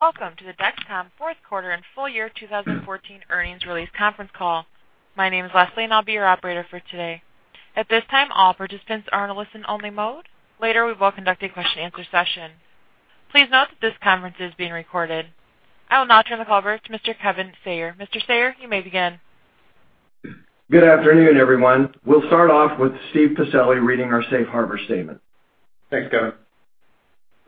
Welcome to the Dexcom fourth quarter and full year 2014 earnings release conference call. My name is Leslie, and I'll be your operator for today. At this time, all participants are in a listen-only mode. Later, we will conduct a question-and-answer session. Please note that this conference is being recorded. I will now turn the call over to Mr. Kevin Sayer. Mr. Sayer, you may begin. Good afternoon, everyone. We'll start off with Steve Pacelli reading our safe harbor statement. Thanks, Kevin.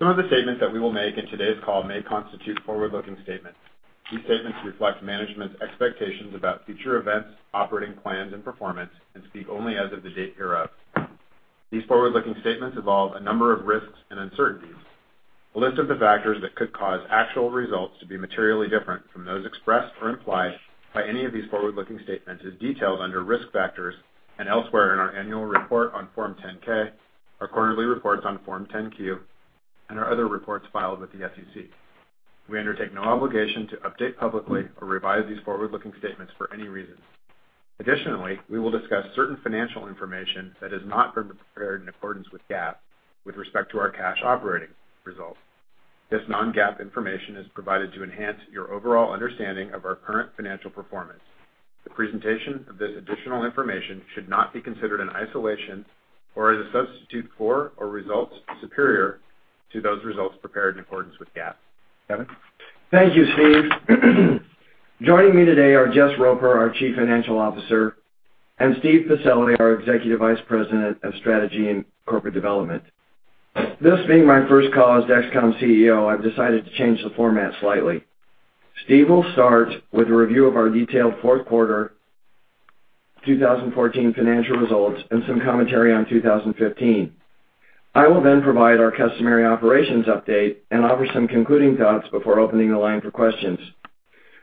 Some of the statements that we will make in today's call may constitute forward-looking statements. These statements reflect management's expectations about future events, operating plans, and performance and speak only as of the date hereof. These forward-looking statements involve a number of risks and uncertainties. A list of the factors that could cause actual results to be materially different from those expressed or implied by any of these forward-looking statements is detailed under Risk Factors and elsewhere in our annual report on Form 10-K, our quarterly reports on Form 10-Q, and our other reports filed with the SEC. We undertake no obligation to update publicly or revise these forward-looking statements for any reason. Additionally, we will discuss certain financial information that has not been prepared in accordance with GAAP with respect to our cash operating results. This non-GAAP information is provided to enhance your overall understanding of our current financial performance. The presentation of this additional information should not be considered in isolation or as a substitute for or results superior to those results prepared in accordance with GAAP. Kevin? Thank you, Steve. Joining me today are Jess Roper, our Chief Financial Officer, and Steve Pacelli, our Executive Vice President of Strategy and Corporate Development. This being my first call as Dexcom's CEO, I've decided to change the format slightly. Steve will start with a review of our detailed fourth quarter 2014 financial results and some commentary on 2015. I will then provide our customary operations update and offer some concluding thoughts before opening the line for questions.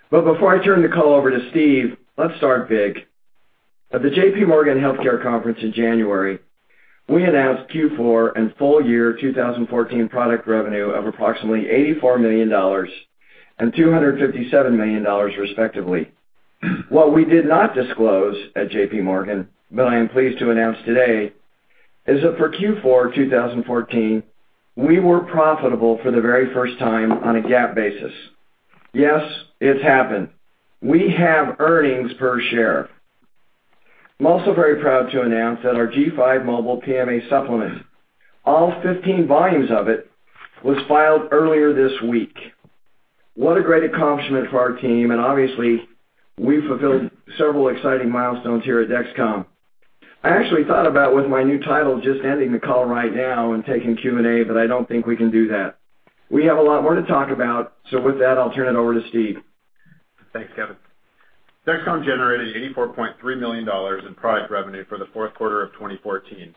Before I turn the call over to Steve, let's start big. At the JPMorgan Healthcare Conference in January, we announced Q4 and full year 2014 product revenue of approximately $84 million and $257 million, respectively. What we did not disclose at JPMorgan, but I am pleased to announce today, is that for Q4 2014, we were profitable for the very first time on a GAAP basis. Yes, it's happened. We have earnings per share. I'm also very proud to announce that our G5 Mobile PMA supplement, all 15 volumes of it, was filed earlier this week. What a great accomplishment for our team, and obviously, we've fulfilled several exciting milestones here at Dexcom. I actually thought about with my new title, just ending the call right now and taking Q&A, but I don't think we can do that. We have a lot more to talk about. With that, I'll turn it over to Steve. Thanks, Kevin. Dexcom generated $84.3 million in product revenue for the fourth quarter of 2014,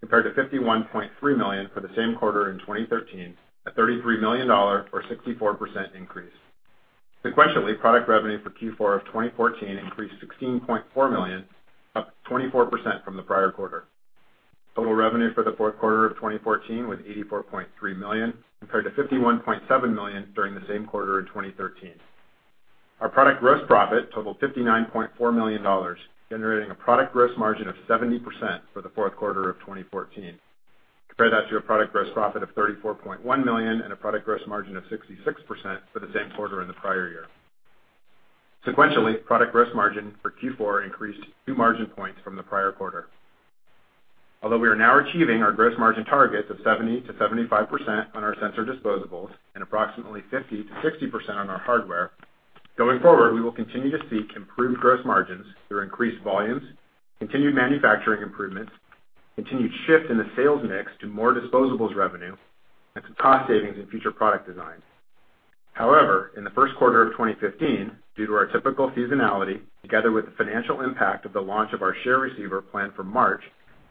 compared to $51.3 million for the same quarter in 2013, a $33 million or 64% increase. Sequentially, product revenue for Q4 of 2014 increased $16.4 million, up 24% from the prior quarter. Total revenue for the fourth quarter of 2014 was $84.3 million, compared to $51.7 million during the same quarter in 2013. Our product gross profit totaled $59.4 million, generating a product gross margin of 70% for the fourth quarter of 2014. Compare that to a product gross profit of $34.1 million and a product gross margin of 66% for the same quarter in the prior year. Sequentially, product gross margin for Q4 increased two margin points from the prior quarter. Although we are now achieving our gross margin targets of 70%-75% on our sensor disposables and approximately 50%-60% on our hardware, going forward, we will continue to seek improved gross margins through increased volumes, continued manufacturing improvements, continued shift in the sales mix to more disposables revenue, and some cost savings in future product design. However, in the first quarter of 2015, due to our typical seasonality, together with the financial impact of the launch of our Share Receiver planned for March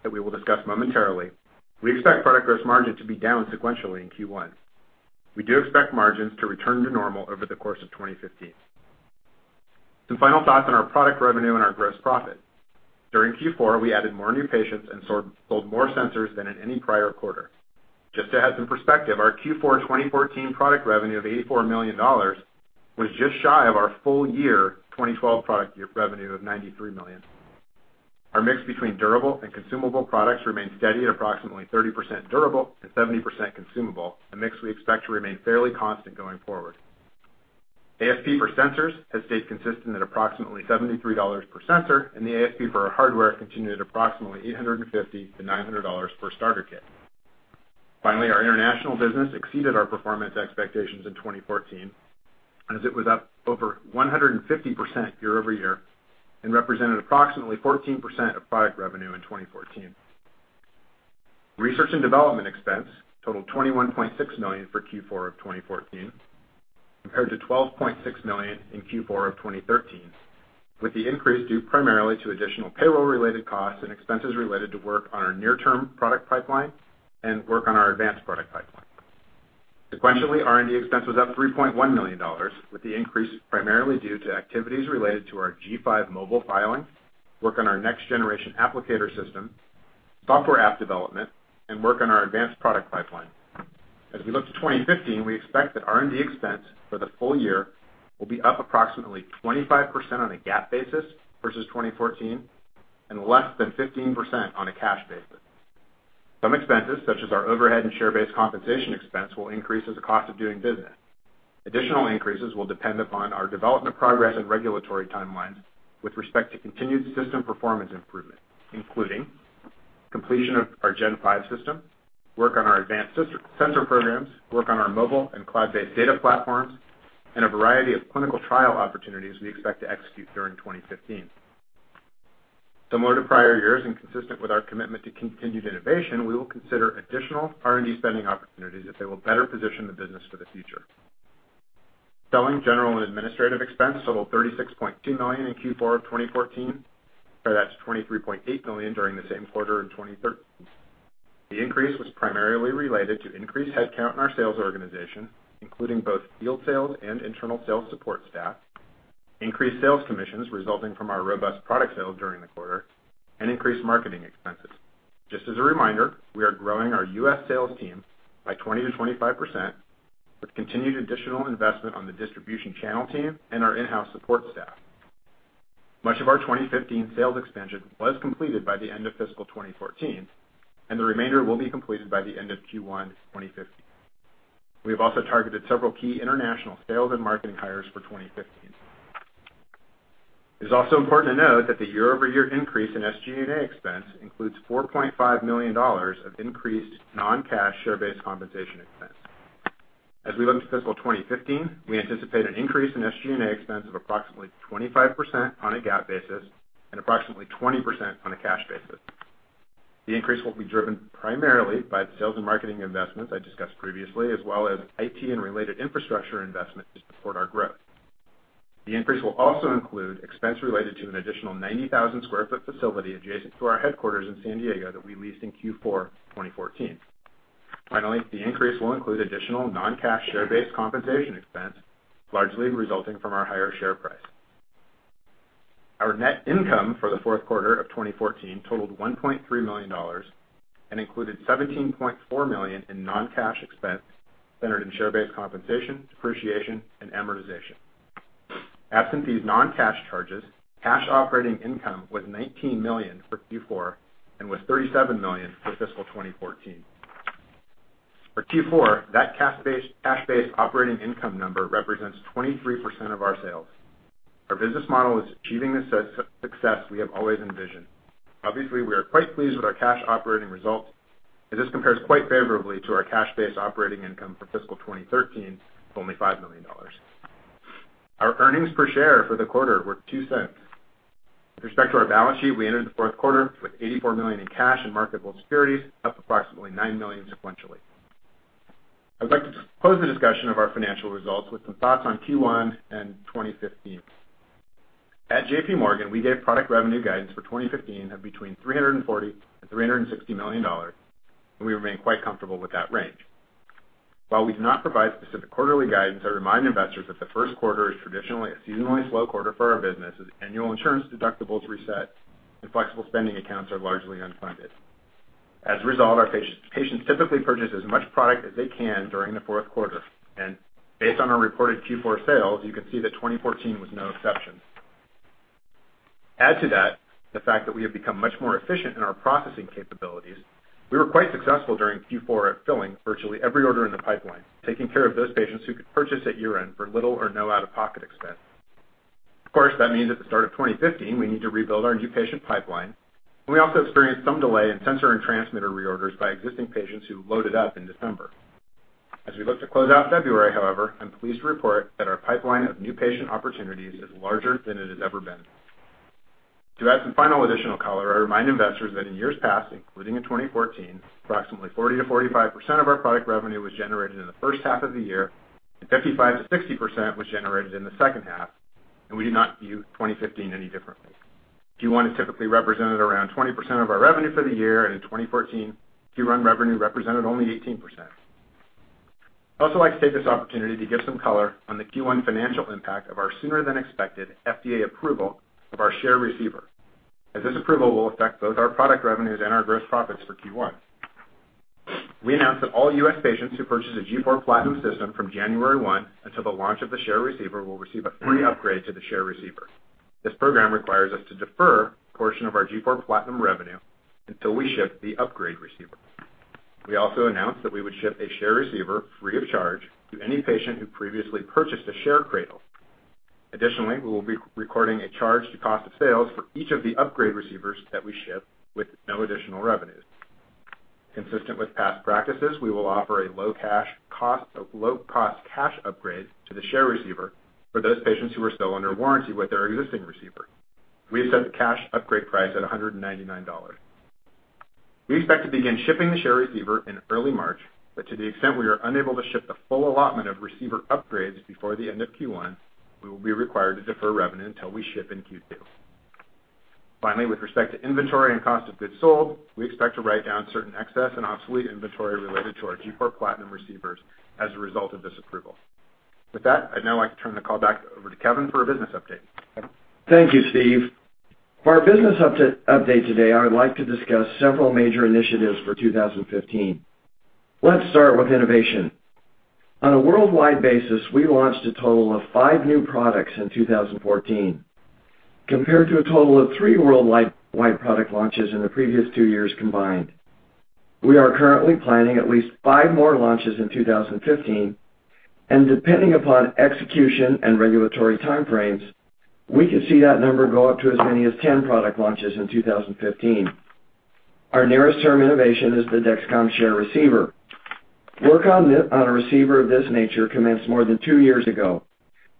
that we will discuss momentarily, we expect product gross margin to be down sequentially in Q1. We do expect margins to return to normal over the course of 2015. Some final thoughts on our product revenue and our gross profit. During Q4, we added more new patients and sold more sensors than in any prior quarter. Just to add some perspective, our Q4 2014 product revenue of $84 million was just shy of our full year 2012 product revenue of $93 million. Our mix between durable and consumable products remained steady at approximately 30% durable and 70% consumable, a mix we expect to remain fairly constant going forward. ASP for sensors has stayed consistent at approximately $73 per sensor, and the ASP for our hardware continued at approximately $850-$900 per starter kit. Finally, our international business exceeded our performance expectations in 2014, as it was up over 150% year-over-year and represented approximately 14% of product revenue in 2014. Research and development expense totaled $21.6 million for Q4 of 2014, compared to $12.6 million in Q4 of 2013, with the increase due primarily to additional payroll-related costs and expenses related to work on our near-term product pipeline and work on our advanced product pipeline. Sequentially, R&D expense was up $3.1 million, with the increase primarily due to activities related to our G5 Mobile filing, work on our next-generation applicator system, software app development, and work on our advanced product pipeline. As we look to 2015, we expect that R&D expense for the full year will be up approximately 25% on a GAAP basis versus 2014 and less than 15% on a cash basis. Some expenses, such as our overhead and share-based compensation expense, will increase as a cost of doing business. Additional increases will depend upon our development progress and regulatory timelines with respect to continued system performance improvement, including completion of our Gen Five system, work on our advanced sensor programs, work on our mobile and cloud-based data platforms, and a variety of clinical trial opportunities we expect to execute during 2015. Similar to prior years and consistent with our commitment to continued innovation, we will consider additional R&D spending opportunities if they will better position the business for the future. Selling, general, and administrative expense totaled $36.2 million in Q4 of 2014 compared to $23.8 million during the same quarter in 2013. The increase was primarily related to increased headcount in our sales organization, including both field sales and internal sales support staff, increased sales commissions resulting from our robust product sales during the quarter, and increased marketing expenses. Just as a reminder, we are growing our U.S. sales team by 20%-25% with continued additional investment on the distribution channel team and our in-house support staff. Much of our 2015 sales expansion was completed by the end of fiscal 2014, and the remainder will be completed by the end of Q1 2015. We have also targeted several key international sales and marketing hires for 2015. It is also important to note that the year-over-year increase in SG&A expense includes $4.5 million of increased non-cash share-based compensation expense. As we look to fiscal 2015, we anticipate an increase in SG&A expense of approximately 25% on a GAAP basis and approximately 20% on a cash basis. The increase will be driven primarily by the sales and marketing investments I discussed previously, as well as IT and related infrastructure investments to support our growth. The increase will also include expense related to an additional 90,000 sq ft facility adjacent to our headquarters in San Diego that we leased in Q4 2014. Finally, the increase will include additional non-cash share-based compensation expense, largely resulting from our higher share price. Our net income for the fourth quarter of 2014 totaled $1.3 million and included $17.4 million in non-cash expense centered in share-based compensation, depreciation, and amortization. Absent these non-cash charges, cash operating income was $19 million for Q4 and was $37 million for fiscal 2014. For Q4, that cash-based operating income number represents 23% of our sales. Our business model is achieving the success we have always envisioned. Obviously, we are quite pleased with our cash operating results as this compares quite favorably to our cash-based operating income for fiscal 2013 of only $5 million. Our earnings per share for the quarter were $0.02. With respect to our balance sheet, we entered the fourth quarter with $84 million in cash and marketable securities, up approximately $9 million sequentially. I'd like to close the discussion of our financial results with some thoughts on Q1 and 2015. At JPMorgan, we gave product revenue guidance for 2015 of between $340 million and $360 million, and we remain quite comfortable with that range. While we do not provide specific quarterly guidance, I remind investors that the first quarter is traditionally a seasonally slow quarter for our business as annual insurance deductibles reset and flexible spending accounts are largely unfunded. As a result, our patients typically purchase as much product as they can during the fourth quarter. Based on our reported Q4 sales, you can see that 2014 was no exception. Add to that the fact that we have become much more efficient in our processing capabilities, we were quite successful during Q4 at filling virtually every order in the pipeline, taking care of those patients who could purchase at year-end for little or no out-of-pocket expense. Of course, that means at the start of 2015, we need to rebuild our new patient pipeline, and we also experienced some delay in sensor and transmitter reorders by existing patients who loaded up in December. As we look to close out February, however, I'm pleased to report that our pipeline of new patient opportunities is larger than it has ever been. To add some final additional color, I remind investors that in years past, including in 2014, approximately 40%-45% of our product revenue was generated in the first half of the year and 55%-60% was generated in the second half, and we do not view 2015 any differently. Q1 has typically represented around 20% of our revenue for the year, and in 2014, Q1 revenue represented only 18%. I'd also like to take this opportunity to give some color on the Q1 financial impact of our sooner-than-expected FDA approval of our Share Receiver, as this approval will affect both our product revenues and our gross profits for Q1. We announced that all U.S. patients who purchased a G4 PLATINUM system from January 1 until the launch of the Share Receiver will receive a free upgrade to the Share Receiver. This program requires us to defer a portion of our G4 PLATINUM revenue until we ship the upgrade receivers. We also announced that we would ship a Share Receiver free of charge to any patient who previously purchased a Share Cradle. Additionally, we will be recording a charge to cost of sales for each of the upgrade receivers that we ship with no additional revenues. Consistent with past practices, we will offer a low cash cost-low-cost cash upgrade to the Share Receiver for those patients who are still under warranty with their existing receiver. We have set the cash upgrade price at $199. We expect to begin shipping the Share Receiver in early March, but to the extent we are unable to ship the full allotment of receiver upgrades before the end of Q1, we will be required to defer revenue until we ship in Q2. Finally, with respect to inventory and cost of goods sold, we expect to write down certain excess and obsolete inventory related to our G4 PLATINUM receivers as a result of this approval. With that, I'd now like to turn the call back over to Kevin for a business update. Kevin? Thank you, Steve. For our business update today, I would like to discuss several major initiatives for 2015. Let's start with innovation. On a worldwide basis, we launched a total of five new products in 2014, compared to a total of three worldwide product launches in the previous two years combined. We are currently planning at least five more launches in 2015, and depending upon execution and regulatory time frames, we could see that number go up to as many as 10 product launches in 2015. Our nearest term innovation is the Dexcom Share Receiver. Work on this, on a receiver of this nature commenced more than two years ago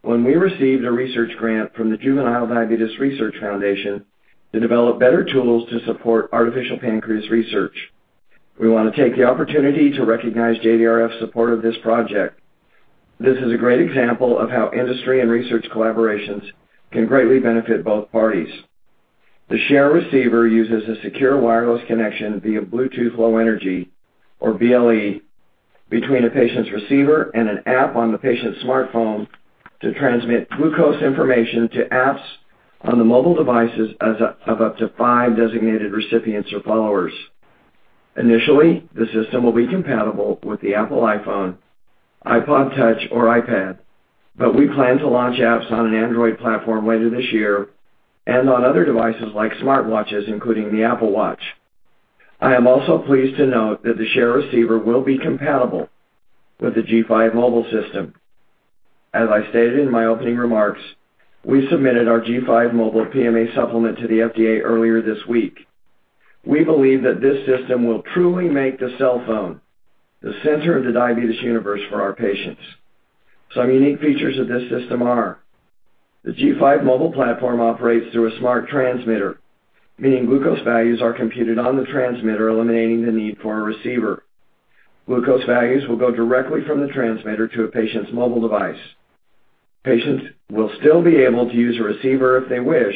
when we received a research grant from the Juvenile Diabetes Research Foundation to develop better tools to support artificial pancreas research. We want to take the opportunity to recognize JDRF support of this project. This is a great example of how industry and research collaborations can greatly benefit both parties. The Share Receiver uses a secure wireless connection via Bluetooth Low Energy or BLE between a patient's receiver and an app on the patient's smartphone to transmit glucose information to apps on the mobile devices of up to five designated recipients or followers. Initially, the system will be compatible with the Apple iPhone, iPod touch, or iPad, but we plan to launch apps on an Android platform later this year and on other devices like smartwatches, including the Apple Watch. I am also pleased to note that the Share Receiver will be compatible with the G5 Mobile system. As I stated in my opening remarks, we submitted our G5 Mobile PMA supplement to the FDA earlier this week. We believe that this system will truly make the cell phone the center of the diabetes universe for our patients. Some unique features of this system are. The G5 Mobile platform operates through a smart transmitter, meaning glucose values are computed on the transmitter, eliminating the need for a receiver. Glucose values will go directly from the transmitter to a patient's mobile device. Patients will still be able to use a receiver if they wish,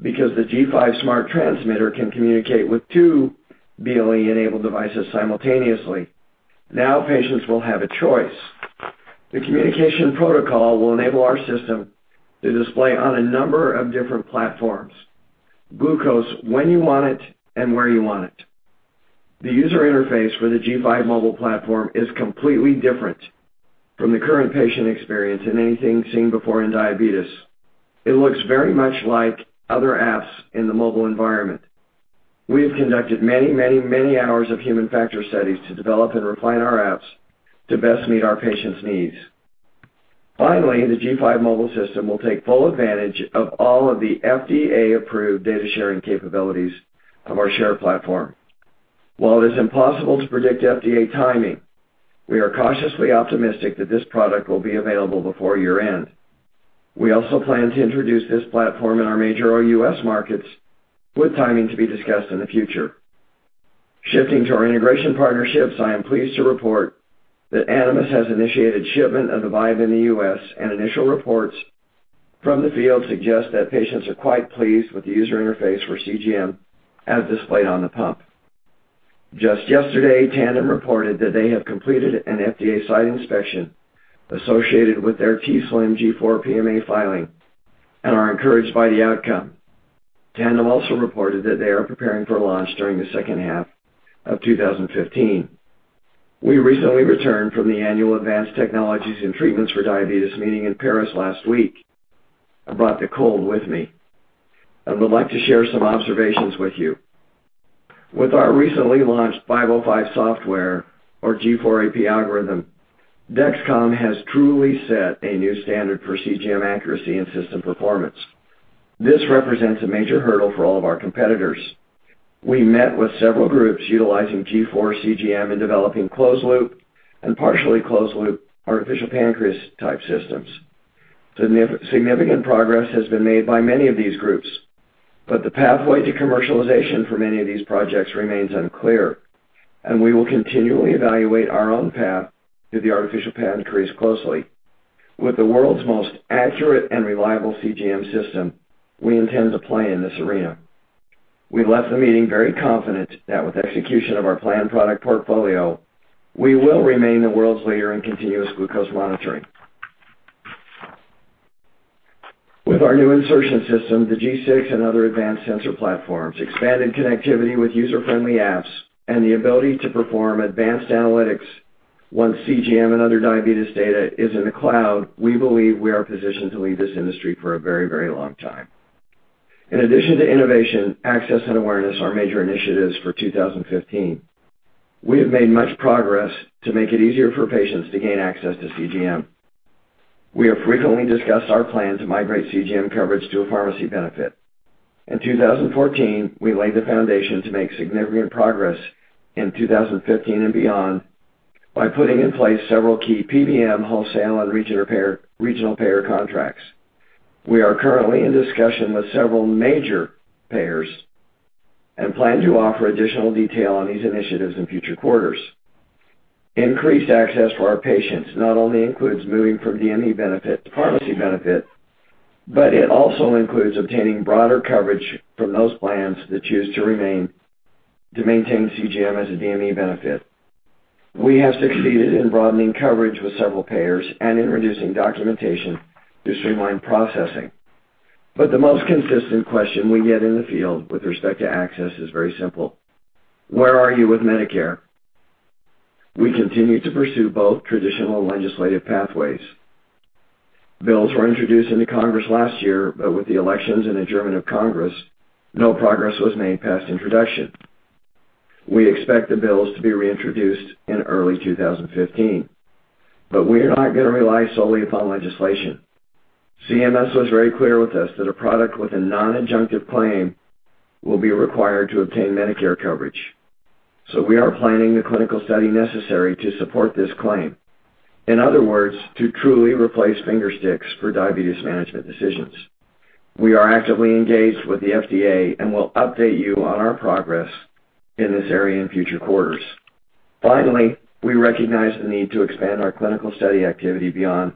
because the G5 Smart Transmitter can communicate with two BLE-enabled devices simultaneously. Now, patients will have a choice. The communication protocol will enable our system to display on a number of different platforms, glucose when you want it and where you want it. The user interface for the G5 Mobile platform is completely different from the current patient experience than anything seen before in diabetes. It looks very much like other apps in the mobile environment. We have conducted many, many, many hours of human factor studies to develop and refine our apps to best meet our patients' needs. Finally, the G5 Mobile system will take full advantage of all of the FDA-approved data-sharing capabilities of our Share platform. While it is impossible to predict FDA timing, we are cautiously optimistic that this product will be available before year-end. We also plan to introduce this platform in our major U.S. markets, with timing to be discussed in the future. Shifting to our integration partnerships, I am pleased to report that Animas has initiated shipment of the Vibe in the U.S., and initial reports from the field suggest that patients are quite pleased with the user interface for CGM as displayed on the pump. Just yesterday, Tandem reported that they have completed an FDA site inspection associated with their t:slim G4 PMA filing and are encouraged by the outcome. Tandem also reported that they are preparing for launch during the second half of 2015. We recently returned from the annual Advanced Technologies and Treatments for Diabetes meeting in Paris last week. I brought the cold with me. I would like to share some observations with you. With our recently launched 505 software or G4 AP algorithm, Dexcom has truly set a new standard for CGM accuracy and system performance. This represents a major hurdle for all of our competitors. We met with several groups utilizing G4 CGM in developing closed loop and partially closed loop artificial pancreas-type systems. Significant progress has been made by many of these groups, but the pathway to commercialization for many of these projects remains unclear, and we will continually evaluate our own path to the artificial pancreas closely. With the world's most accurate and reliable CGM system, we intend to play in this arena. We left the meeting very confident that with execution of our planned product portfolio, we will remain the world's leader in continuous glucose monitoring. With our new insertion system, the G6 and other advanced sensor platforms, expanded connectivity with user-friendly apps, and the ability to perform advanced analytics once CGM and other diabetes data is in the cloud, we believe we are positioned to lead this industry for a very, very long time. In addition to innovation, access, and awareness are major initiatives for 2015. We have made much progress to make it easier for patients to gain access to CGM. We have frequently discussed our plan to migrate CGM coverage to a pharmacy benefit. In 2014, we laid the foundation to make significant progress in 2015 and beyond by putting in place several key PBM, wholesale, and regional payer contracts. We are currently in discussion with several major payers and plan to offer additional detail on these initiatives in future quarters. Increased access for our patients not only includes moving from DME benefit to pharmacy benefit, but it also includes obtaining broader coverage from those plans that choose to remain, to maintain CGM as a DME benefit. We have succeeded in broadening coverage with several payers and in reducing documentation to streamline processing. The most consistent question we get in the field with respect to access is very simple. Where are you with Medicare? We continue to pursue both traditional legislative pathways. Bills were introduced into Congress last year, but with the elections and adjournment of Congress, no progress was made past introduction. We expect the bills to be reintroduced in early 2015, but we are not gonna rely solely upon legislation. CMS was very clear with us that a product with a non-adjunctive claim will be required to obtain Medicare coverage. We are planning the clinical study necessary to support this claim. In other words, to truly replace finger sticks for diabetes management decisions. We are actively engaged with the FDA, and we'll update you on our progress in this area in future quarters. Finally, we recognize the need to expand our clinical study activity beyond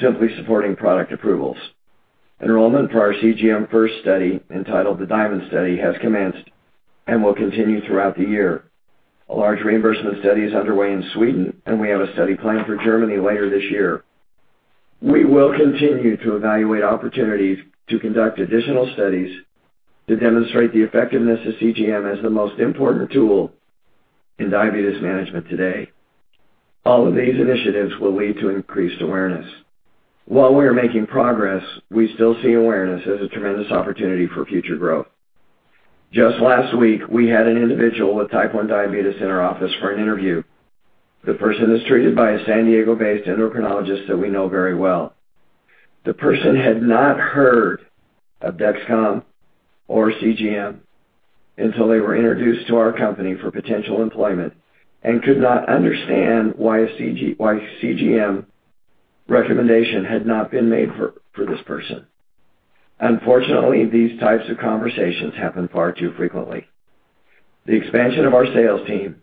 simply supporting product approvals. Enrollment for our CGM first study entitled the DIaMonD study has commenced and will continue throughout the year. A large reimbursement study is underway in Sweden, and we have a study planned for Germany later this year. We will continue to evaluate opportunities to conduct additional studies to demonstrate the effectiveness of CGM as the most important tool in diabetes management today. All of these initiatives will lead to increased awareness. While we are making progress, we still see awareness as a tremendous opportunity for future growth. Just last week, we had an individual with Type 1 diabetes in our office for an interview. The person is treated by a San Diego-based endocrinologist that we know very well. The person had not heard of Dexcom or CGM until they were introduced to our company for potential employment and could not understand why CGM recommendation had not been made for this person. Unfortunately, these types of conversations happen far too frequently. The expansion of our sales team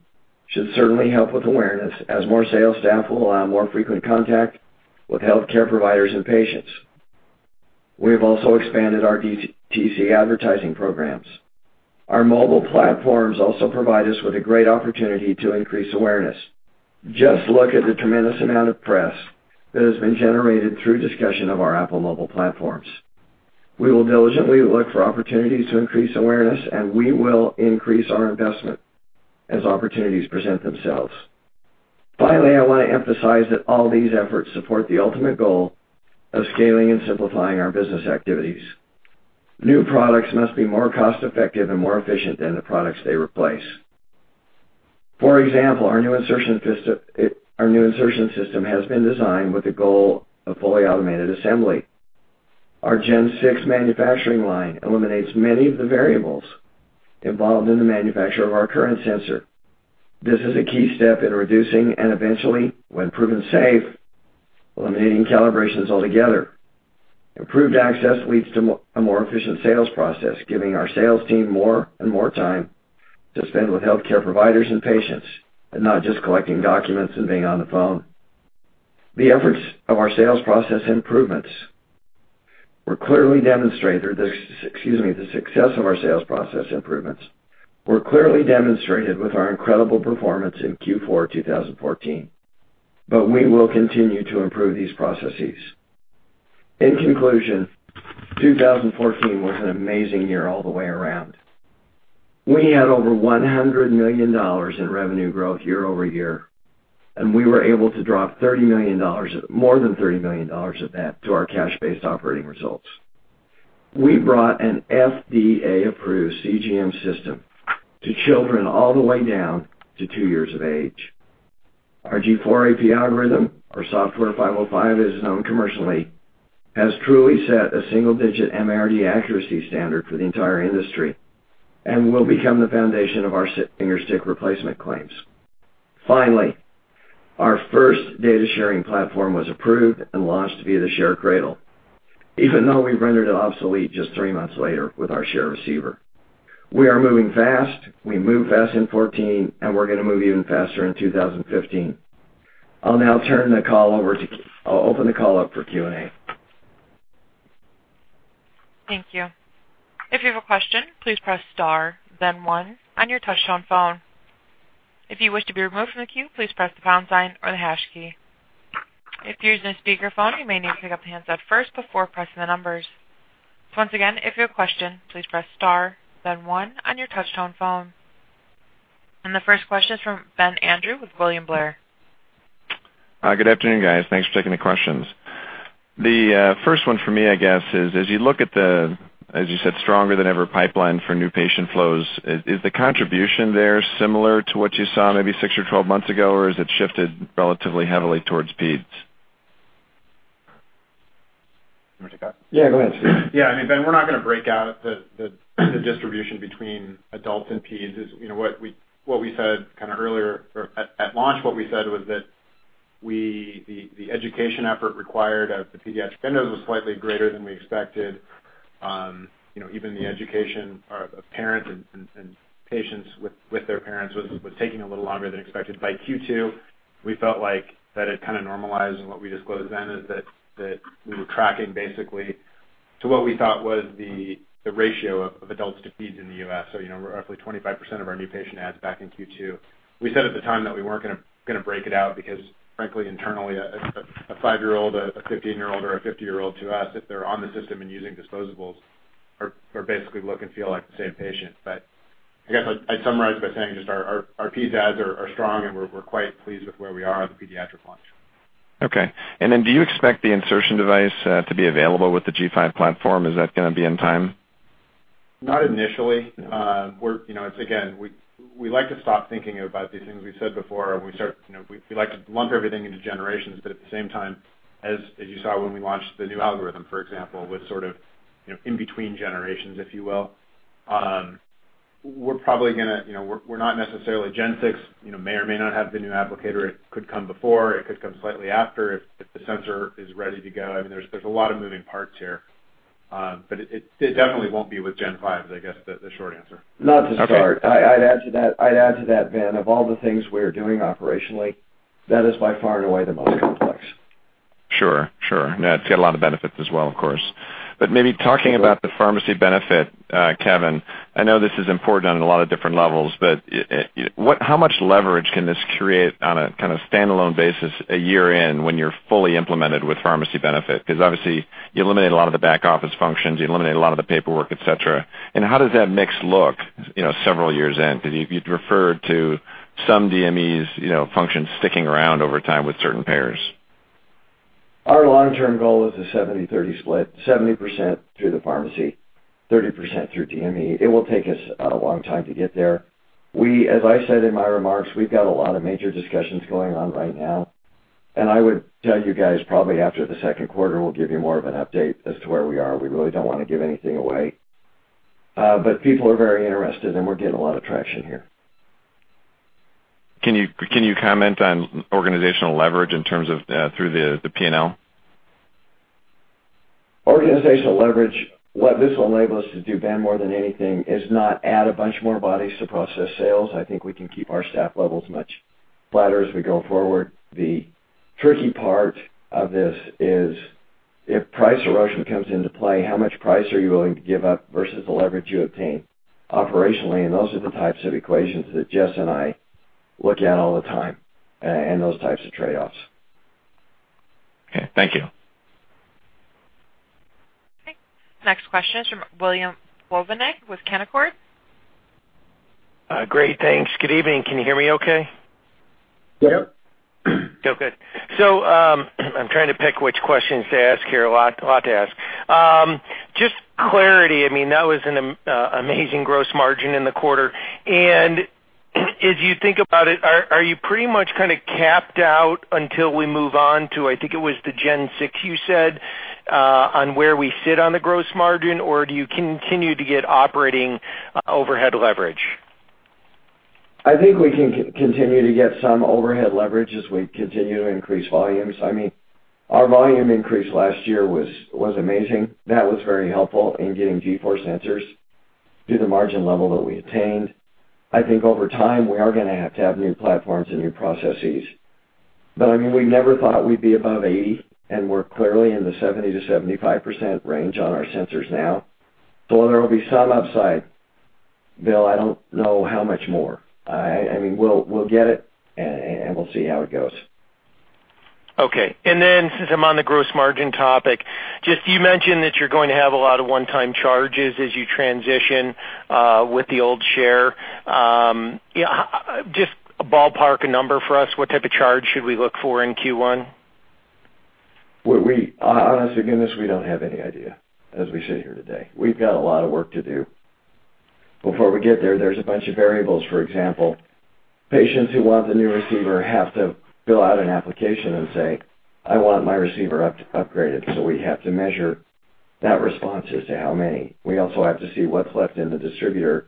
should certainly help with awareness as more sales staff will allow more frequent contact with healthcare providers and patients. We have also expanded our Dexcom advertising programs. Our mobile platforms also provide us with a great opportunity to increase awareness. Just look at the tremendous amount of press that has been generated through discussion of our Apple mobile platforms. We will diligently look for opportunities to increase awareness, and we will increase our investment as opportunities present themselves. Finally, I wanna emphasize that all these efforts support the ultimate goal of scaling and simplifying our business activities. New products must be more cost-effective and more efficient than the products they replace. For example, our new insertion system has been designed with the goal of fully automated assembly. Our Gen 6 manufacturing line eliminates many of the variables involved in the manufacture of our current sensor. This is a key step in reducing and eventually, when proven safe, eliminating calibrations altogether. Improved access leads to a more efficient sales process, giving our sales team more and more time to spend with healthcare providers and patients, and not just collecting documents and being on the phone. The efforts of our sales process improvements were clearly demonstrated. Excuse me. The success of our sales process improvements were clearly demonstrated with our incredible performance in Q4 2014, but we will continue to improve these processes. In conclusion, 2014 was an amazing year all the way around. We had over $100 million in revenue growth year-over-year, and we were able to drop $30 million, more than $30 million of that to our cash-based operating results. We brought an FDA-approved CGM system to children all the way down to two years of age. Our G4 AP algorithm, or Software 505 as it's known commercially, has truly set a single-digit MARD accuracy standard for the entire industry and will become the foundation of our finger stick replacement claims. Finally, our first data sharing platform was approved and launched via the Share Cradle, even though we rendered it obsolete just three months later with our Share Receiver. We are moving fast. We moved fast in 2014, and we're gonna move even faster in 2015. I'll open the call up for Q&A. Thank you. If you have a question, please press star then one on your touchtone phone. If you wish to be removed from the queue, please press the pound sign or the hash key. If you're using a speakerphone, you may need to pick up the handset first before pressing the numbers. Once again, if you have a question, please press star then one on your touchtone phone. The first question is from Ben Andrew with William Blair. Good afternoon, guys. Thanks for taking the questions. The first one for me, I guess, is, as you look at the, as you said, stronger than ever pipeline for new patient flows, is the contribution there similar to what you saw maybe six or 12 months ago, or has it shifted relatively heavily towards peds? You wanna take that? Yeah, go ahead. Yeah. I mean, Ben, we're not gonna break out the distribution between adults and peds. As you know, what we said kind of earlier or at launch, what we said was that the education effort required of the pediatric endos was slightly greater than we expected. You know, even the education of parents and patients with their parents was taking a little longer than expected. By Q2, we felt like that had kind of normalized. What we disclosed then is that we were tracking basically to what we thought was the ratio of adults to peds in the U.S. You know, roughly 25% of our new patient adds back in Q2. We said at the time that we weren't gonna break it out because frankly, internally a five-year-old, a 15-year-old or a 50-year-old to us, if they're on the system and using disposables are basically look and feel like the same patient. But I guess I'd summarize by saying just our ped ads are strong, and we're quite pleased with where we are on the pediatric launch. Okay. Do you expect the insertion device to be available with the G5 platform? Is that gonna be in time? Not initially. We're, you know, it's again, we like to stop thinking about these things we said before, and we start, you know, we like to lump everything into generations. At the same time, as you saw when we launched the new algorithm, for example, with sort of, you know, in between generations, if you will, we're probably gonna, you know, we're not necessarily gen six, you know, may or may not have the new applicator. It could come before. It could come slightly after if the sensor is ready to go. I mean, there's a lot of moving parts here. It definitely won't be with gen five, I guess the short answer. Okay. Not to start. I'd add to that, Ben, of all the things we're doing operationally, that is by far and away the most complex. Sure. Now it's got a lot of benefits as well, of course. But maybe talking about the pharmacy benefit, Kevin, I know this is important on a lot of different levels, but, how much leverage can this create on a kind of standalone basis a year in when you're fully implemented with pharmacy benefit? 'Cause obviously, you eliminate a lot of the back-office functions, you eliminate a lot of the paperwork, et cetera. How does that mix look, you know, several years in? 'Cause you'd referred to some DMEs, you know, functions sticking around over time with certain payers. Our long-term goal is a 70/30 split, 70% through the pharmacy, 30% through DME. It will take us a long time to get there. We, as I said in my remarks, we've got a lot of major discussions going on right now, and I would tell you guys probably after the second quarter, we'll give you more of an update as to where we are. We really don't wanna give anything away. People are very interested, and we're getting a lot of traction here. Can you comment on organizational leverage in terms of through the P&L? Organizational leverage. What this will enable us to do, Ben, more than anything, is not add a bunch more bodies to process sales. I think we can keep our staff levels much flatter as we go forward. The tricky part of this is if price erosion comes into play, how much price are you willing to give up versus the leverage you obtain operationally, and those are the types of equations that Jess and I look at all the time, and those types of trade-offs. Okay. Thank you. Okay. Next question is from William Plovanic with Canaccord. Great. Thanks. Good evening. Can you hear me okay? Yep. Oh, good. I'm trying to pick which questions to ask here. A lot to ask. Just clarity, I mean, that was amazing gross margin in the quarter. As you think about it, are you pretty much kinda capped out until we move on to I think it was the gen six you said, on where we sit on the gross margin, or do you continue to get operating overhead leverage? I think we can continue to get some overhead leverage as we continue to increase volumes. I mean, our volume increase last year was amazing. That was very helpful in getting G4 sensors to the margin level that we attained. I think over time, we are gonna have to have new platforms and new processes. I mean, we never thought we'd be above 80, and we're clearly in the 70%-75% range on our sensors now. There will be some upside, Bill. I don't know how much more. I mean, we'll get it, and we'll see how it goes. Okay. Since I'm on the gross margin topic, just, you mentioned that you're going to have a lot of one-time charges as you transition with the old Share. Just ballpark a number for us. What type of charge should we look for in Q1? Honest to goodness, we don't have any idea as we sit here today. We've got a lot of work to do before we get there. There's a bunch of variables. For example, patients who want the new receiver have to fill out an application and say, "I want my receiver upgraded." We have to measure that response as to how many. We also have to see what's left in the distributor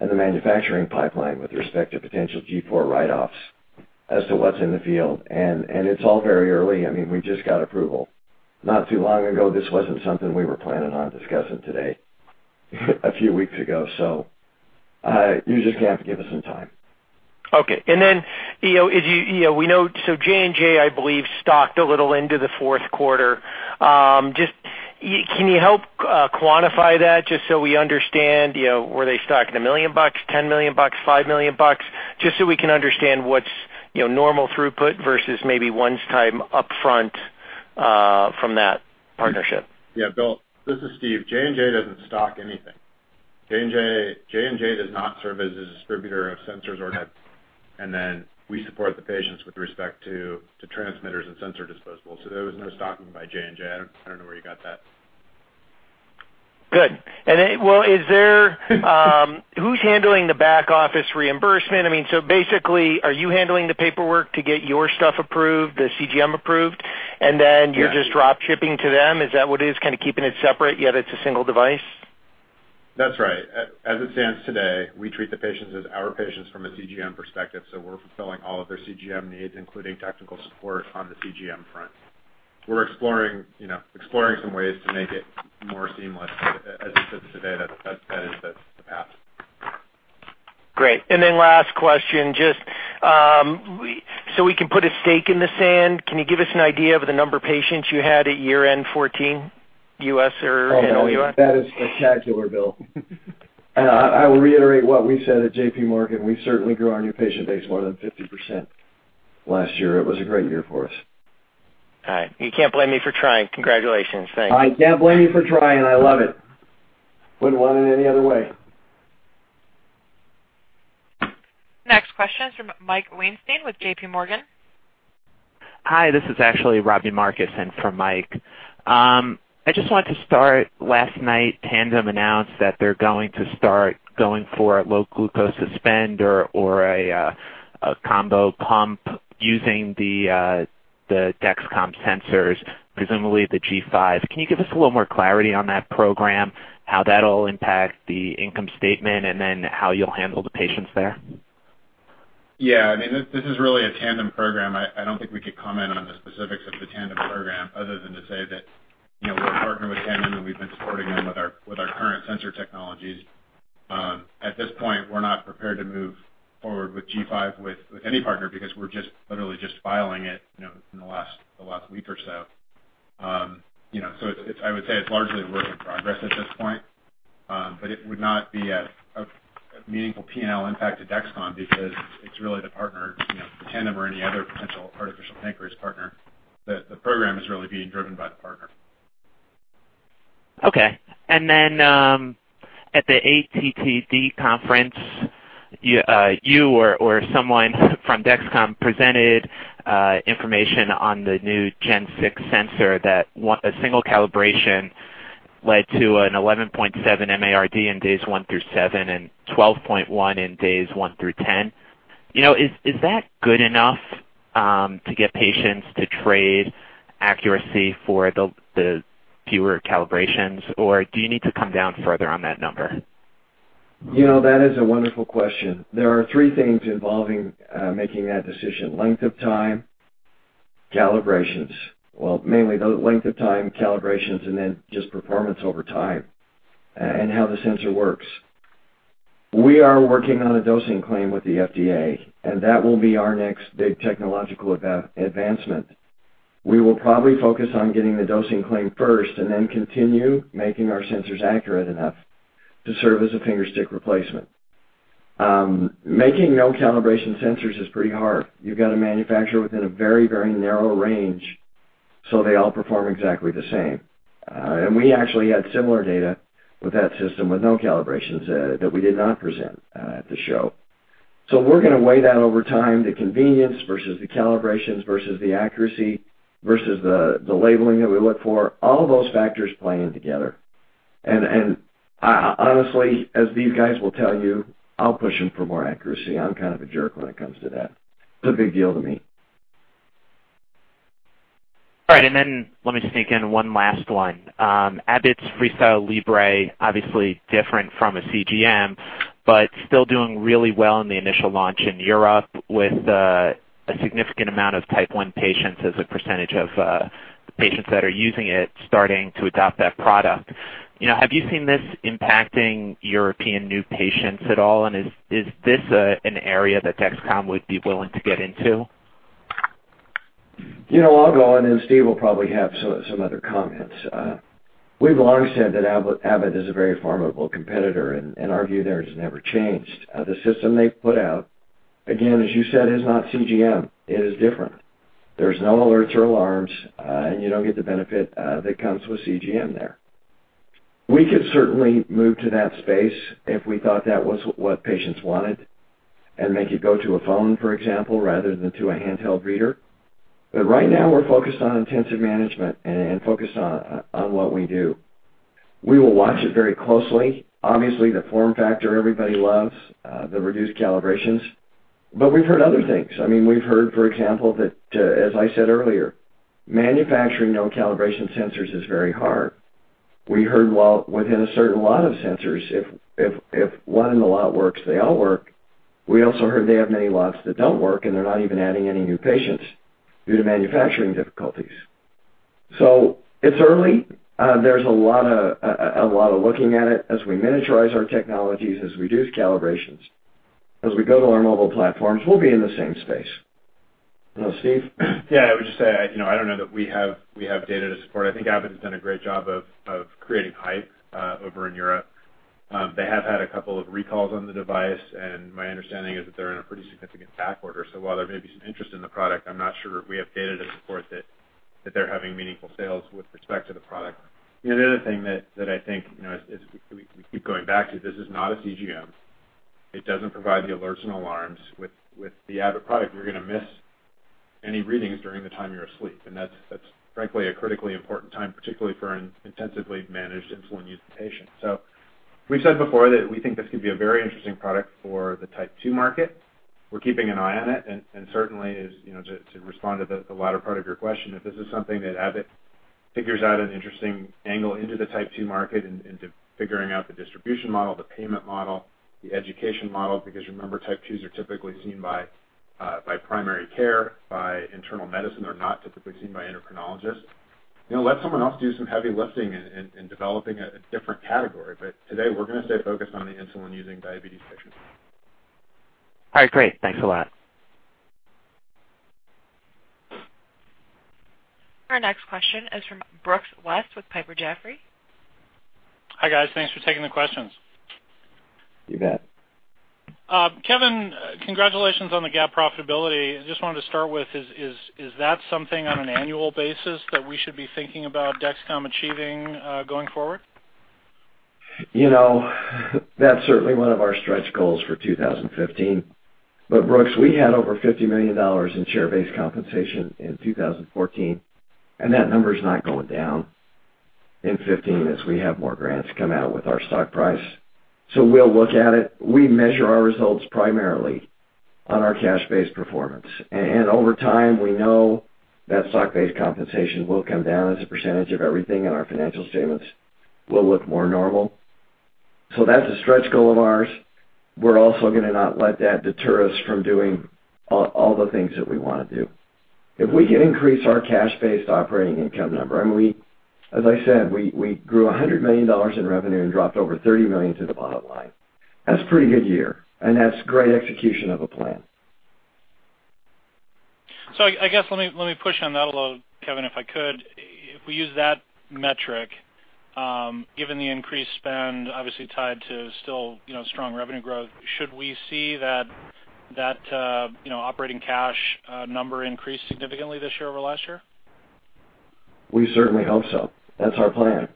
and the manufacturing pipeline with respect to potential G4 write-offs as to what's in the field. It's all very early. I mean, we just got approval. Not too long ago, this wasn't something we were planning on discussing today a few weeks ago. You just have to give us some time. You know, J&J, I believe, stocked a little into the fourth quarter. Can you help quantify that just so we understand, you know, were they stocking $1 million, $10 million, $5 million? Just so we can understand what's, you know, normal throughput versus maybe one-time upfront from that partnership. Yeah. Bill, this is Steve. J&J doesn't stock anything. J&J does not serve as a distributor of sensors or heads, and then we support the patients with respect to transmitters and sensor disposables. There was no stocking by J&J. I don't know where you got that. Good. Well, who's handling the back-office reimbursement? I mean, so basically, are you handling the paperwork to get your stuff approved, the CGM approved, and then you're just drop shipping to them? Is that what it is? Kinda keeping it separate, yet it's a single device. That's right. As it stands today, we treat the patients as our patients from a CGM perspective, so we're fulfilling all of their CGM needs, including technical support on the CGM front. We're exploring, you know, some ways to make it more seamless, but as it sits today, that's, that is the path. Great. Last question, just, so we can put a stake in the sand, can you give us an idea of the number of patients you had at year-end 2014, U.S. or anywhere? Oh, Bill, that is spectacular, Bill. I will reiterate what we said at JPMorgan. We certainly grew our new patient base more than 50% last year. It was a great year for us. All right. You can't blame me for trying. Congratulations. Thanks. I can't blame you for trying. I love it. Wouldn't want it any other way. Next question is from Mike Weinstein with JPMorgan. Hi, this is actually Robbie Marcus in for Mike. I just wanted to start, last night, Tandem announced that they're going to go for a low glucose suspend or a combo pump using the Dexcom sensors, presumably the G5. Can you give us a little more clarity on that program, how that'll impact the income statement, and then how you'll handle the patients there? Yeah. I mean, this is really a Tandem program. I don't think we could comment on the specifics of the Tandem program other than to say that, you know, we're a partner with Tandem and we've been supporting them with our current sensor technologies. At this point, we're not prepared to move forward with G5 with any partner because we're just literally filing it, you know, in the last week or so. You know, I would say it's largely a work in progress at this point. It would not be a meaningful P&L impact to Dexcom because it's really the partner, you know, Tandem or any other potential artificial pancreas partner. The program is really being driven by the partner. Okay. At the ATTD conference, you or someone from Dexcom presented information on the new gen six sensor that a single calibration led to an 11.7 MARD in days one through seven, and 12.1 in days one through 10. You know, is that good enough to get patients to trade accuracy for the fewer calibrations, or do you need to come down further on that number? You know, that is a wonderful question. There are three things involving making that decision, length of time, calibrations. Well, mainly the length of time, calibrations, and then just performance over time, and how the sensor works. We are working on a dosing claim with the FDA, and that will be our next big technological advancement. We will probably focus on getting the dosing claim first and then continue making our sensors accurate enough to serve as a finger stick replacement. Making no calibration sensors is pretty hard. You've got to manufacture within a very, very narrow range, so they all perform exactly the same. We actually had similar data with that system with no calibrations, that we did not present, at the show. We're gonna weigh that over time, the convenience versus the calibrations versus the accuracy versus the labeling that we look for, all of those factors playing together. Honestly, as these guys will tell you, I'll push them for more accuracy. I'm kind of a jerk when it comes to that. It's a big deal to me. All right. Let me sneak in one last one. Abbott's FreeStyle Libre, obviously different from a CGM, but still doing really well in the initial launch in Europe with a significant amount of Type 1 patients as a percentage of the patients that are using it starting to adopt that product. You know, have you seen this impacting European new patients at all? Is this an area that Dexcom would be willing to get into? You know, I'll go on and Steve will probably have some other comments. We've long said that Abbott is a very formidable competitor, and our view there has never changed. The system they've put out, again, as you said, is not CGM. It is different. There's no alerts or alarms, and you don't get the benefit that comes with CGM there. We could certainly move to that space if we thought that was what patients wanted and make it go to a phone, for example, rather than to a handheld reader. Right now, we're focused on intensive management and focused on what we do. We will watch it very closely. Obviously, the form factor, everybody loves the reduced calibrations, but we've heard other things. I mean, we've heard, for example, that as I said earlier, manufacturing no calibration sensors is very hard. We heard while within a certain lot of sensors, if one in the lot works, they all work. We also heard they have many lots that don't work, and they're not even adding any new patients due to manufacturing difficulties. It's early. There's a lot of looking at it as we miniaturize our technologies, as we reduce calibrations. As we go to our mobile platforms, we'll be in the same space. Steve? Yeah. I would just say, you know, I don't know that we have data to support. I think Abbott has done a great job of creating hype over in Europe. They have had a couple of recalls on the device, and my understanding is that they're in a pretty significant back order. So while there may be some interest in the product, I'm not sure we have data to support that they're having meaningful sales with respect to the product. You know, the other thing that I think, you know, as we keep going back to, this is not a CGM. It doesn't provide the alerts and alarms. With the Abbott product, you're gonna miss any readings during the time you're asleep. That's frankly a critically important time, particularly for an intensively managed insulin-using patient. We've said before that we think this could be a very interesting product for the Type 2 market. We're keeping an eye on it. Certainly, as you know, to respond to the latter part of your question, if this is something that Abbott figures out an interesting angle into the Type 2 market into figuring out the distribution model, the payment model, the education model, because remember, Type 2s are typically seen by by primary care, by internal medicine. They're not typically seen by endocrinologists. You know, let someone else do some heavy lifting in developing a different category. Today, we're gonna stay focused on the insulin using diabetes patients. All right. Great. Thanks a lot. Our next question is from Brooks West with Piper Jaffray. Hi, guys. Thanks for taking the questions. You bet. Kevin, congratulations on the GAAP profitability. I just wanted to start with, is that something on an annual basis that we should be thinking about Dexcom achieving, going forward? You know, that's certainly one of our stretch goals for 2015. Brooks, we had over $50 million in share-based compensation in 2014, and that number is not going down in 2015 as we have more grants come out with our stock price. We'll look at it. We measure our results primarily on our cash-based performance. And over time, we know that stock-based compensation will come down as a percentage of everything, and our financial statements will look more normal. That's a stretch goal of ours. We're also gonna not let that deter us from doing all the things that we wanna do. If we can increase our cash-based operating income number, I mean, as I said, we grew $100 million in revenue and dropped over $30 million to the bottom line. That's pretty good year, and that's great execution of a plan. I guess, let me push on that a little, Kevin, if I could. If we use that metric, given the increased spend obviously tied to still, you know, strong revenue growth, should we see that, you know, operating cash number increase significantly this year over last year? We certainly hope so. That's our plan.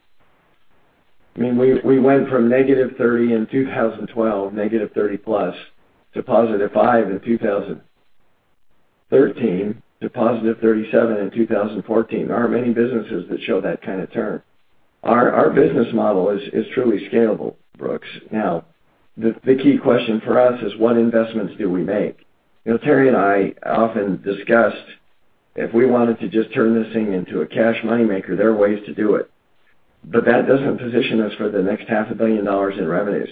I mean, we went from -30% in 2012, -30%+, to +5% in 2013, to +37% in 2014. There aren't many businesses that show that kind of turn. Our business model is truly scalable, Brooks. Now, the key question for us is what investments do we make? You know, Terry and I often discussed, if we wanted to just turn this thing into a cash money maker, there are ways to do it. But that doesn't position us for the next half a billion dollars in revenues.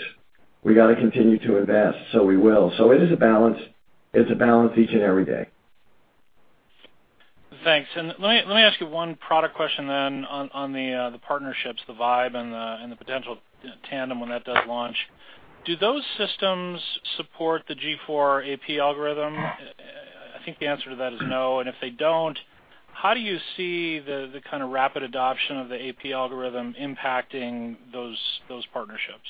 We gotta continue to invest, so we will. It is a balance. It's a balance each and every day. Thanks. Let me ask you one product question then on the partnerships, the Vibe and the potential Tandem when that does launch. Do those systems support the G4 AP algorithm? I think the answer to that is no. If they don't, how do you see the kind of rapid adoption of the AP algorithm impacting those partnerships?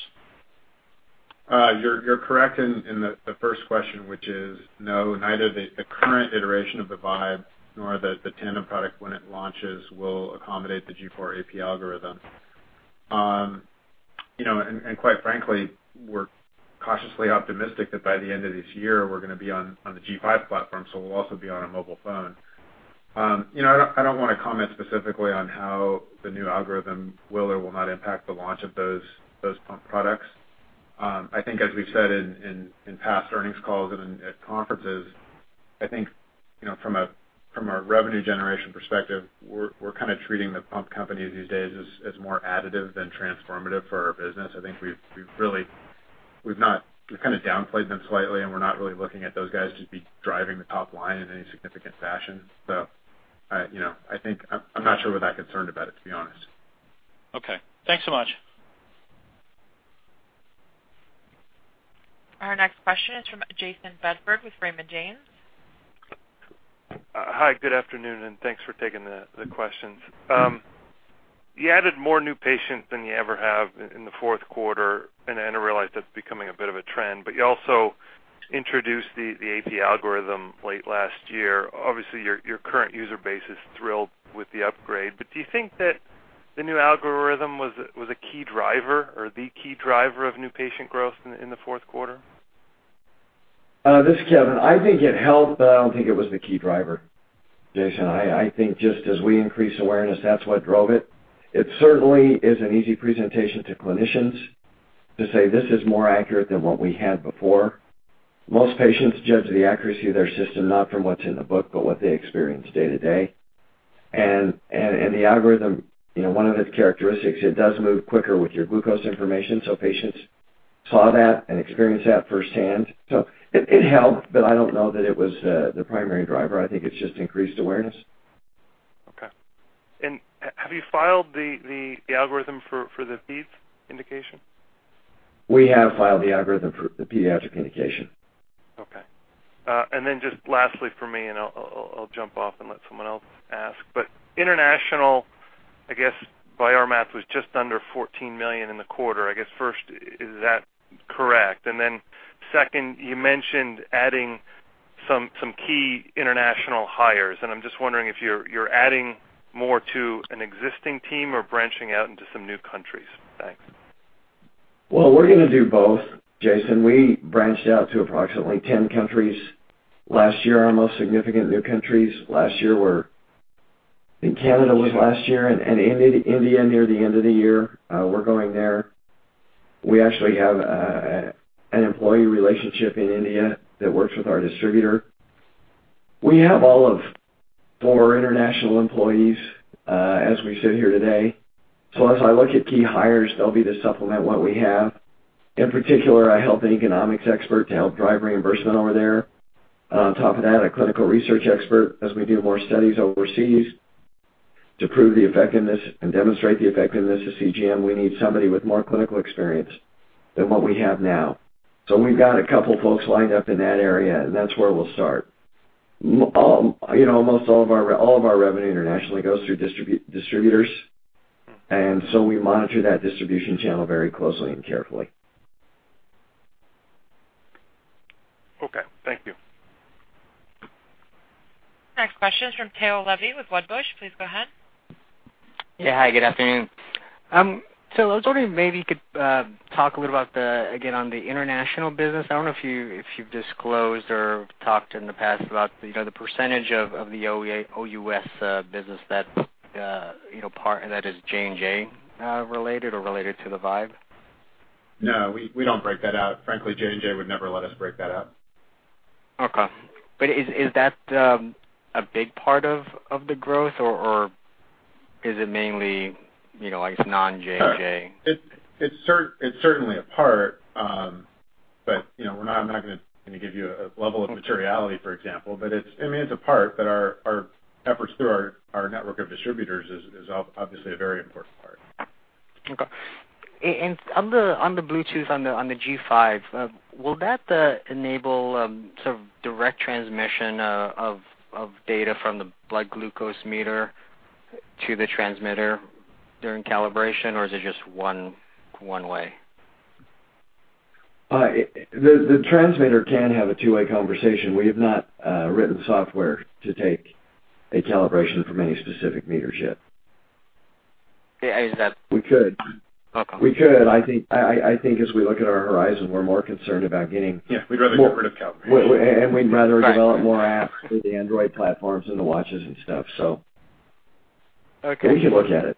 You're correct in the first question, which is no, neither the current iteration of the Vibe nor the Tandem product, when it launches, will accommodate the G4AP algorithm. You know, and quite frankly, we're cautiously optimistic that by the end of this year, we're gonna be on the G5 platform, so we'll also be on a mobile phone. You know, I don't wanna comment specifically on how the new algorithm will or will not impact the launch of those pump products. I think as we've said in past earnings calls and at conferences, you know, from a revenue generation perspective, we're kind of treating the pump companies these days as more additive than transformative for our business. I think we've really We've kind of downplayed them slightly, and we're not really looking at those guys to be driving the top line in any significant fashion. You know, I think I'm not sure we're that concerned about it, to be honest. Okay. Thanks so much. Our next question is from Jayson Bedford with Raymond James. Hi, good afternoon, and thanks for taking the questions. You added more new patients than you ever have in the fourth quarter, and I realize that's becoming a bit of a trend, but you also introduced the AP algorithm late last year. Obviously, your current user base is thrilled with the upgrade, but do you think that the new algorithm was a key driver or the key driver of new patient growth in the fourth quarter? This is Kevin. I think it helped, but I don't think it was the key driver, Jayson. I think just as we increase awareness, that's what drove it. It certainly is an easy presentation to clinicians to say this is more accurate than what we had before. Most patients judge the accuracy of their system not from what's in the book, but what they experience day to day. The algorithm, you know, one of its characteristics, it does move quicker with your glucose information, so patients saw that and experienced that firsthand. It helped, but I don't know that it was the primary driver. I think it's just increased awareness. Okay. Have you filed the algorithm for the peds indication? We have filed the algorithm for the pediatric indication. Okay. Just lastly for me, I'll jump off and let someone else ask, but international, I guess by our math, was just under $14 million in the quarter. First, is that correct? Second, you mentioned adding some key international hires, and I'm just wondering if you're adding more to an existing team or branching out into some new countries. Thanks. Well, we're gonna do both, Jayson. We branched out to approximately 10 countries last year. Our most significant new countries last year were, I think, Canada last year and India near the end of the year. We're going there. We actually have an employee relationship in India that works with our distributor. We have all of four international employees as we sit here today. As I look at key hires, they'll be to supplement what we have. In particular, a health economics expert to help drive reimbursement over there. On top of that, a clinical research expert as we do more studies overseas to prove the effectiveness and demonstrate the effectiveness of CGM. We need somebody with more clinical experience than what we have now. We've got a couple folks lined up in that area, and that's where we'll start. You know, almost all of our revenue internationally goes through distributors. We monitor that distribution channel very closely and carefully. Okay. Thank you. Next question is from Tao Levy with Wedbush. Please go ahead. Yeah. Hi, good afternoon. I was wondering if maybe you could talk a little about the, again, on the international business. I don't know if you've disclosed or talked in the past about, you know, the percentage of the OUS business that, you know, that is J&J related or related to the Vibe. No, we don't break that out. Frankly, J&J would never let us break that out. Okay. Is that a big part of the growth, or is it mainly, you know, I guess non J&J? It's certainly a part. You know, I'm not gonna give you a level of materiality, for example, but it's, I mean, it's a part. Our efforts through our network of distributors is obviously a very important part. Okay. On the Bluetooth on the G5, will that enable sort of direct transmission of data from the blood glucose meter to the transmitter during calibration, or is it just one way? The transmitter can have a two-way conversation. We have not written software to take a calibration from any specific meter chip. Yeah. We could. Okay. We could. I think as we look at our horizon, we're more concerned about getting. Yeah, we'd rather get rid of calibration. We'd rather develop more apps with the Android platforms and the watches and stuff, so. Okay. We can look at it.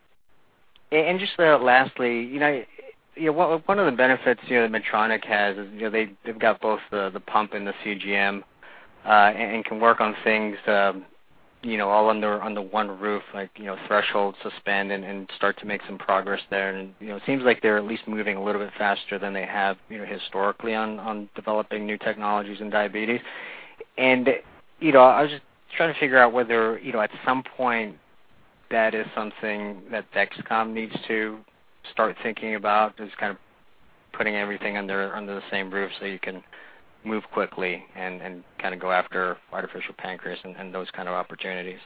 Just lastly, you know, one of the benefits, you know, that Medtronic has is, you know, they've got both the pump and the CGM, and can work on things, you know, all under one roof, like, you know, threshold suspend and start to make some progress there. You know, it seems like they're at least moving a little bit faster than they have, you know, historically on developing new technologies in diabetes. You know, I was just trying to figure out whether, you know, at some point that is something that Dexcom needs to start thinking about, just kind of putting everything under the same roof so you can move quickly and kind of go after artificial pancreas and those kind of opportunities.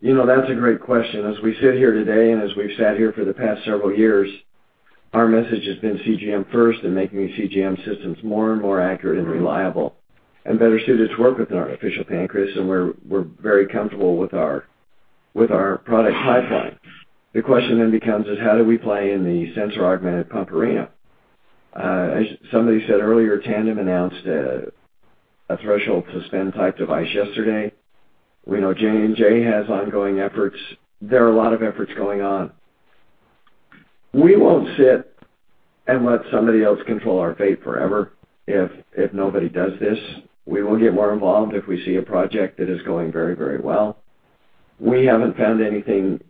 You know, that's a great question. As we sit here today, and as we've sat here for the past several years, our message has been CGM first and making CGM systems more and more accurate and reliable and better suited to work with an artificial pancreas. We're very comfortable with our product pipeline. The question then becomes is how do we play in the sensor-augmented pump arena? As somebody said earlier, Tandem announced a threshold suspend type device yesterday. We know J&J has ongoing efforts. There are a lot of efforts going on. We won't sit and let somebody else control our fate forever if nobody does this. We will get more involved if we see a project that is going very, very well. We haven't found anything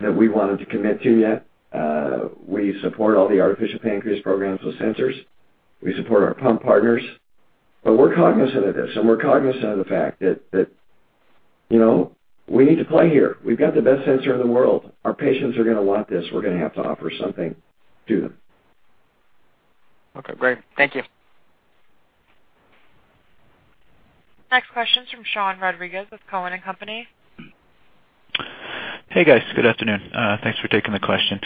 that we wanted to commit to yet. We support all the artificial pancreas programs with sensors. We support our pump partners. We're cognizant of this, and we're cognizant of the fact that, you know, we need to play here. We've got the best sensor in the world. Our patients are gonna want this. We're gonna have to offer something to them. Okay, great. Thank you. Next question is from Shaun Rodriguez with Cowen and Company. Hey, guys. Good afternoon. Thanks for taking the question.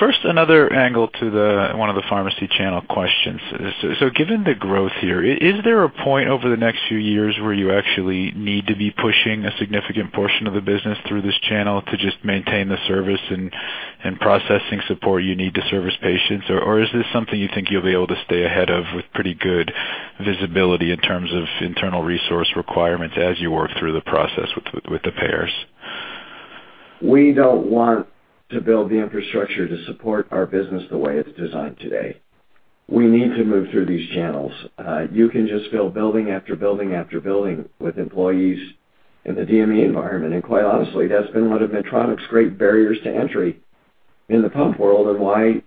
First, another angle to one of the pharmacy channel questions. Given the growth here, is there a point over the next few years where you actually need to be pushing a significant portion of the business through this channel to just maintain the service and processing support you need to service patients? Or is this something you think you'll be able to stay ahead of with pretty good visibility in terms of internal resource requirements as you work through the process with the payers? We don't want to build the infrastructure to support our business the way it's designed today. We need to move through these channels. You can just build building after building after building with employees in the DME environment. Quite honestly, that's been one of Medtronic's great barriers to entry in the pump world and why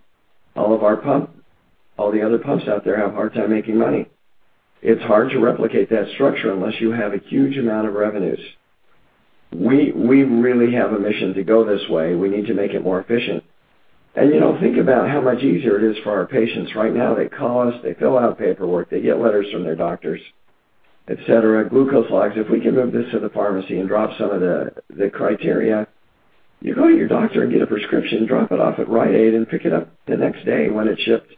all the other pumps out there have a hard time making money. It's hard to replicate that structure unless you have a huge amount of revenues. We really have a mission to go this way. We need to make it more efficient. You know, think about how much easier it is for our patients. Right now, they call us. They fill out paperwork. They get letters from their doctors, et cetera, glucose logs. If we can move this to the pharmacy and drop some of the criteria, you go to your doctor and get a prescription, drop it off at Rite Aid, and pick it up the next day when it's shipped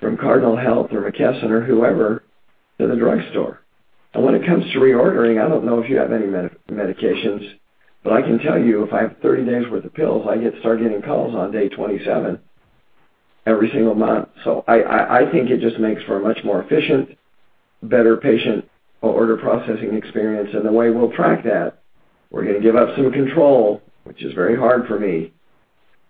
from Cardinal Health or McKesson or whoever to the drugstore. When it comes to reordering, I don't know if you have any medications, but I can tell you if I have 30 days worth of pills, I start getting calls on day 27 every single month. I think it just makes for a much more efficient, better patient order processing experience. The way we'll track that, we're gonna give up some control, which is very hard for me.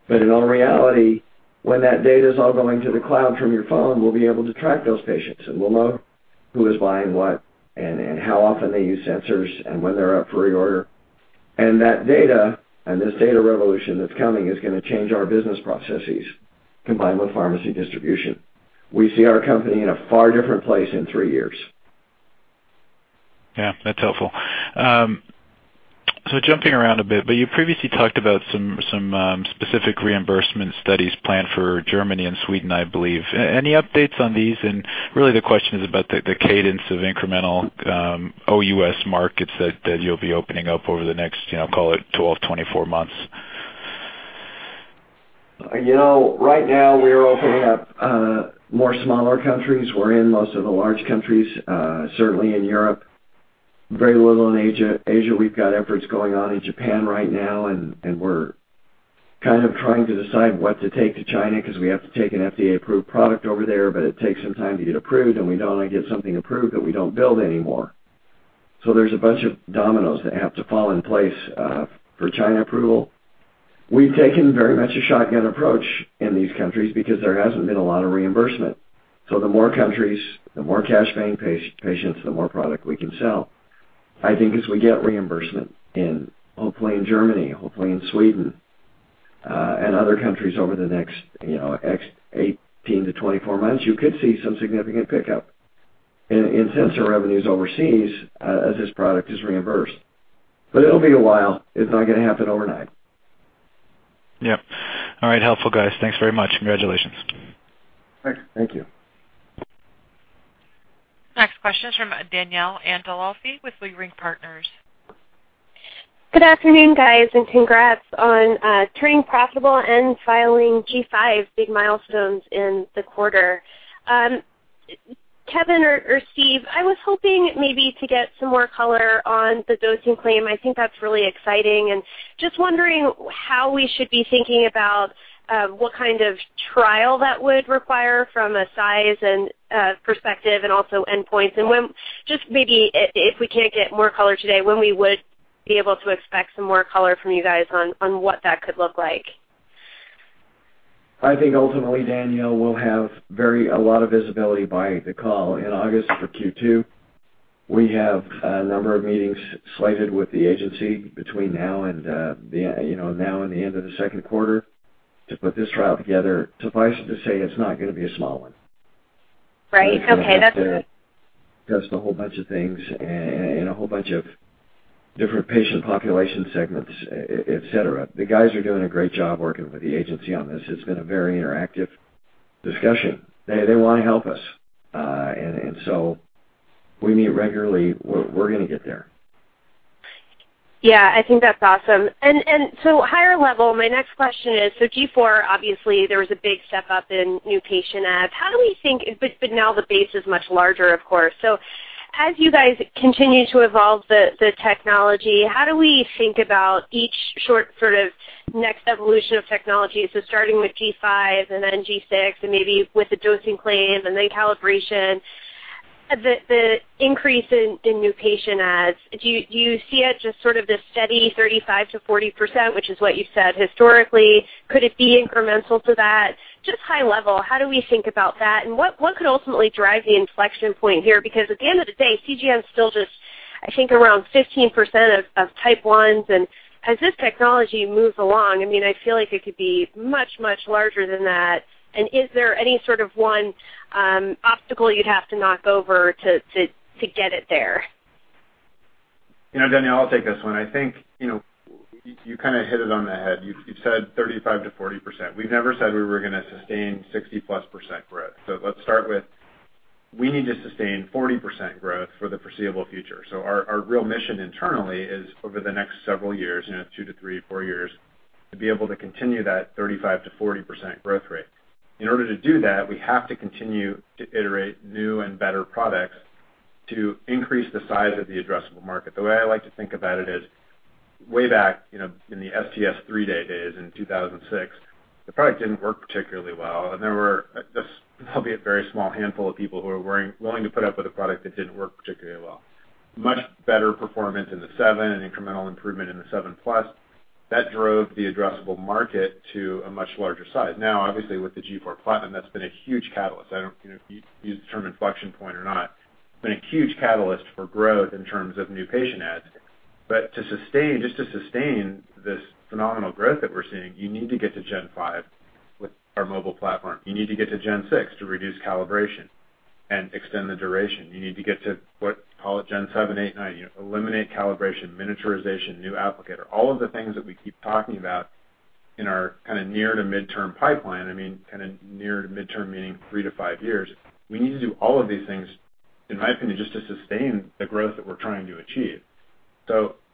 In all reality, when that data is all going to the cloud from your phone, we'll be able to track those patients, and we'll know who is buying what and how often they use sensors and when they're up for reorder. That data and this data revolution that's coming is gonna change our business processes combined with pharmacy distribution. We see our company in a far different place in three years. Yeah, that's helpful. Jumping around a bit, but you previously talked about some specific reimbursement studies planned for Germany and Sweden, I believe. Any updates on these? Really the question is about the cadence of incremental OUS markets that you'll be opening up over the next, call it 12, 24 months. You know, right now we are opening up more smaller countries. We're in most of the large countries, certainly in Europe, very little in Asia. Asia, we've got efforts going on in Japan right now, and we're kind of trying to decide what to take to China because we have to take an FDA-approved product over there, but it takes some time to get approved, and we don't wanna get something approved that we don't build anymore. There's a bunch of dominoes that have to fall in place for China approval. We've taken very much a shotgun approach in these countries because there hasn't been a lot of reimbursement. The more countries, the more cash paying patients, the more product we can sell. I think as we get reimbursement in, hopefully in Germany, hopefully in Sweden, and other countries over the next, you know, 18-24 months, you could see some significant pickup in sensor revenues overseas, as this product is reimbursed. It'll be a while. It's not gonna happen overnight. Yep. All right. Helpful, guys. Thanks very much. Congratulations. Thanks. Thank you. Next question is from Danielle Antalffy with Leerink Partners. Good afternoon, guys, and congrats on turning profitable and filing G5 big milestones in the quarter. Kevin or Steve, I was hoping maybe to get some more color on the dosing claim. I think that's really exciting. Just wondering how we should be thinking about what kind of trial that would require from a size and perspective and also endpoints. If we can't get more color today, when we would be able to expect some more color from you guys on what that could look like. I think ultimately, Danielle, we'll have a lot of visibility by the call in August for Q2. We have a number of meetings slated with the agency between now and the end of the second quarter to put this trial together. Suffice it to say it's not gonna be a small one. Right. Okay. Test a whole bunch of things and a whole bunch of different patient population segments, et cetera. The guys are doing a great job working with the agency on this. It's been a very interactive discussion. They wanna help us. We meet regularly. We're gonna get there. Yeah. I think that's awesome. Higher level, my next question is, so G4, obviously, there was a big step-up in new patient adds. Now the base is much larger, of course. As you guys continue to evolve the technology, how do we think about each short sort of next evolution of technology? Starting with G5 and then G6, and maybe with the dosing claim and then calibration, the increase in new patient adds, do you see it just sort of this steady 35%-40%, which is what you said historically? Could it be incremental to that? Just high level, how do we think about that? What could ultimately drive the inflection point here? Because at the end of the day, CGM is still just, I think, around 15% of Type 1s. This technology moves along, I mean, I feel like it could be much, much larger than that. Is there any sort of one obstacle you'd have to knock over to get it there? You know, Danielle, I'll take this one. I think, you know, you kinda hit it on the head. You said 35%-40%. We've never said we were gonna sustain 60+% growth. Let's start with we need to sustain 40% growth for the foreseeable future. Our real mission internally is over the next several years, you know, two to three years, to be able to continue that 35%-40% growth rate. In order to do that, we have to continue to iterate new and better products to increase the size of the addressable market. The way I like to think about it is way back, you know, in the STS three-day days in 2006, the product didn't work particularly well, and there were just probably a very small handful of people who were willing to put up with a product that didn't work particularly well. Much better performance in the SEVEN, an incremental improvement in the SEVEN Plus. That drove the addressable market to a much larger size. Now, obviously, with the G4 Platinum, that's been a huge catalyst. I don't know if you use the term inflection point or not, but a huge catalyst for growth in terms of new patient adds. To sustain, just to sustain this phenomenal growth that we're seeing, you need to get to Gen 5 with our mobile platform. You need to get to Gen 6 to reduce calibration and extend the duration. You need to get to what, call it Gen 7, 8, 9, you know, eliminate calibration, miniaturization, new applicator, all of the things that we keep talking about in our kinda near to midterm pipeline. I mean, kinda near to midterm meaning three to five years. We need to do all of these things, in my opinion, just to sustain the growth that we're trying to achieve.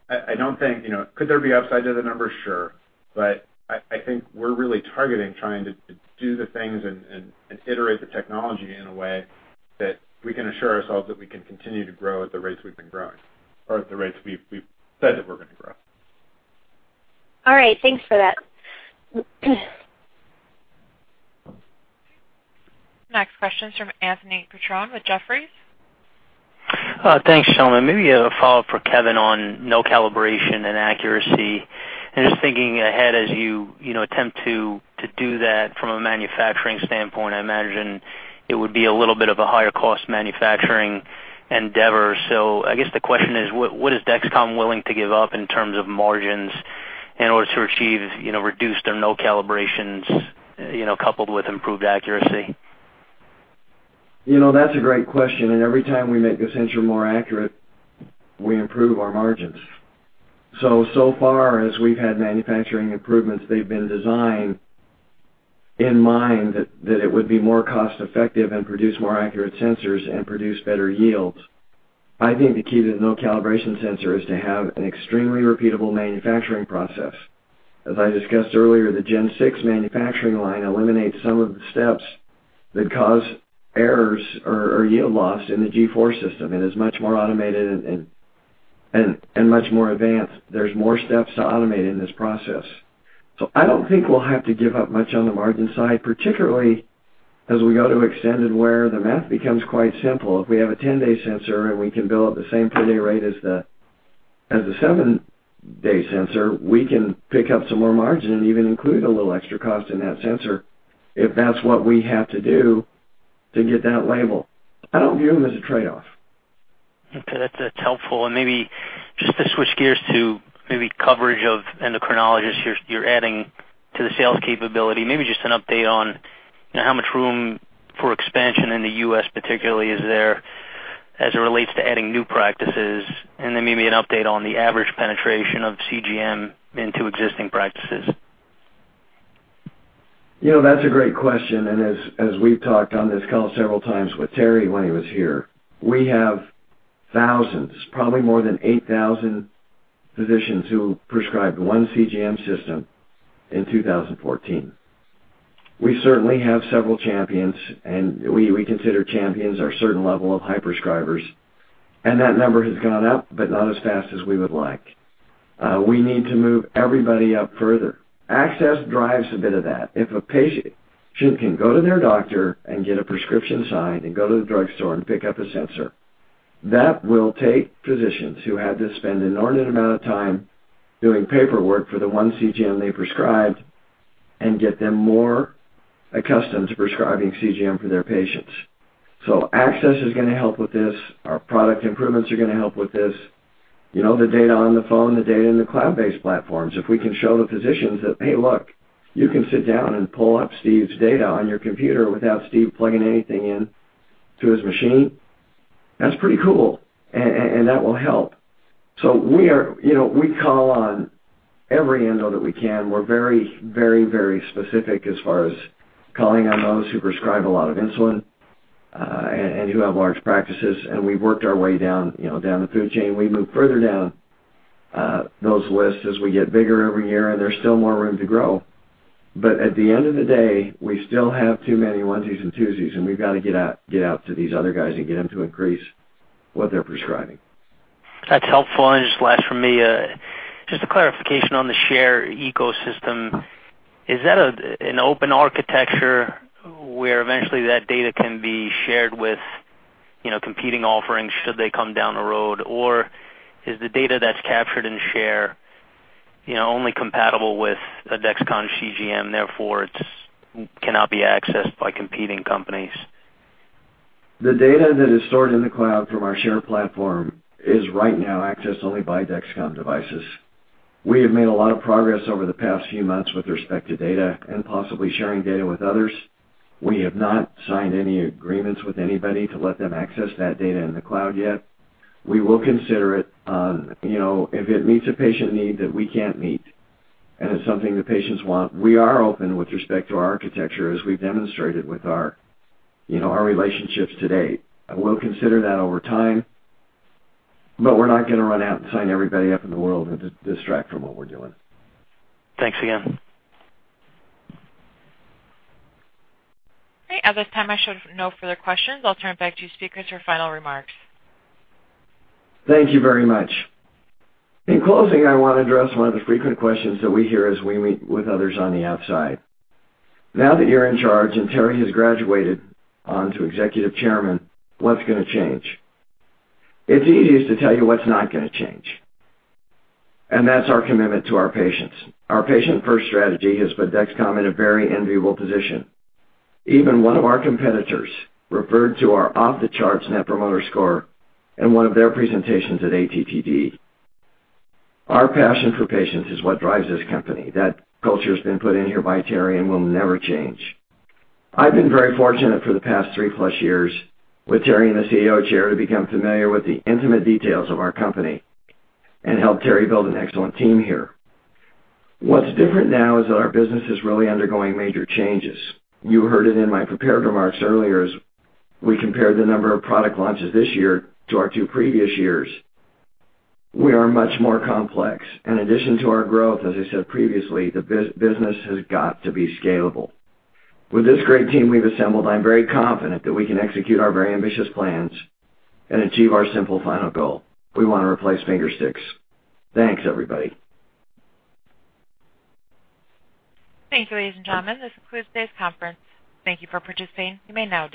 I don't think, you know. Could there be upside to the numbers? Sure. But I think we're really targeting trying to do the things and iterate the technology in a way that we can assure ourselves that we can continue to grow at the rates we've been growing or at the rates we've said that we're gonna grow. All right. Thanks for that. Next question is from Anthony Petrone with Jefferies. Thanks, gentlemen. Maybe a follow-up for Kevin on no calibration and accuracy. Just thinking ahead as you know, attempt to do that from a manufacturing standpoint, I imagine it would be a little bit of a higher cost manufacturing endeavor. So I guess the question is what is Dexcom willing to give up in terms of margins in order to achieve, you know, reduced or no calibrations, you know, coupled with improved accuracy? You know, that's a great question. Every time we make a sensor more accurate, we improve our margins. so far as we've had manufacturing improvements, they've been designed in mind that that it would be more cost effective and produce more accurate sensors and produce better yields. I think the key to no calibration sensor is to have an extremely repeatable manufacturing process. As I discussed earlier, the Gen 6 manufacturing line eliminates some of the steps that cause errors or yield loss in the G4 system and is much more automated and much more advanced. There's more steps to automate in this process. I don't think we'll have to give up much on the margin side, particularly as we go to extended wear. The math becomes quite simple. If we have a 10-day sensor and we can bill at the same per day rate as the seventh-day sensor, we can pick up some more margin and even include a little extra cost in that sensor if that's what we have to do to get that label. I don't view them as a trade-off. Okay. That's helpful. Maybe just to switch gears to maybe coverage of endocrinologists you're adding to the sales capability. Maybe just an update on how much room for expansion in the U.S. particularly is there as it relates to adding new practices? Maybe an update on the average penetration of CGM into existing practices. You know, that's a great question. As we've talked on this call several times with Terry when he was here, we have thousands, probably more than 8,000 physicians who prescribed one CGM system in 2014. We certainly have several champions, and we consider champions or a certain level of high prescribers. That number has gone up, but not as fast as we would like. We need to move everybody up further. Access drives a bit of that. If a patient can go to their doctor and get a prescription signed and go to the drugstore and pick up a sensor, that will take physicians who had to spend an inordinate amount of time doing paperwork for the one CGM they prescribed and get them more accustomed to prescribing CGM for their patients. Access is gonna help with this. Our product improvements are gonna help with this. You know, the data on the phone, the data in the cloud-based platforms. If we can show the physicians that, "Hey, look, you can sit down and pull up Steve's data on your computer without Steve plugging anything in to his machine," that's pretty cool, and that will help. You know, we call on every endo that we can. We're very specific as far as calling on those who prescribe a lot of insulin, and who have large practices. We've worked our way down, you know, down the food chain. We move further down those lists as we get bigger every year, and there's still more room to grow. At the end of the day, we still have too many onesies and twosies, and we've got to get out to these other guys and get them to increase what they're prescribing. That's helpful. Just last from me, just a clarification on the Share ecosystem. Is that an open architecture where eventually that data can be shared with, you know, competing offerings should they come down the road? Or is the data that's captured in Share, you know, only compatible with a Dexcom CGM, therefore it cannot be accessed by competing companies? The data that is stored in the cloud from our share platform is right now accessed only by Dexcom devices. We have made a lot of progress over the past few months with respect to data and possibly sharing data with others. We have not signed any agreements with anybody to let them access that data in the cloud yet. We will consider it, you know, if it meets a patient need that we can't meet, and it's something the patients want. We are open with respect to our architecture as we've demonstrated with our, you know, our relationships to date. We'll consider that over time, but we're not gonna run out and sign everybody up in the world and distract from what we're doing. Thanks again. Great. At this time, I show no further questions. I'll turn it back to you, speakers, for final remarks. Thank you very much. In closing, I want to address one of the frequent questions that we hear as we meet with others on the outside. Now that you're in charge and Terry has graduated on to executive chairman, what's gonna change? It's easiest to tell you what's not gonna change, and that's our commitment to our patients. Our patient-first strategy has put Dexcom in a very enviable position. Even one of our competitors referred to our off-the-charts Net Promoter Score in one of their presentations at ATTD. Our passion for patients is what drives this company. That culture has been put in here by Terry and will never change. I've been very fortunate for the past three-plus years with Terry and the CEO chair to become familiar with the intimate details of our company and help Terry build an excellent team here. What's different now is that our business is really undergoing major changes. You heard it in my prepared remarks earlier as we compared the number of product launches this year to our two previous years. We are much more complex. In addition to our growth, as I said previously, the business has got to be scalable. With this great team we've assembled, I'm very confident that we can execute our very ambitious plans and achieve our simple final goal. We wanna replace finger sticks. Thanks, everybody. Thank you, ladies and gentlemen. This concludes today's conference. Thank you for participating. You may now disconnect.